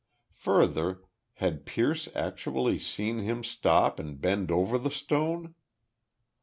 Further, had Pierce actually seen him stop and bend over the stone?